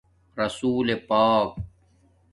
رسول پاک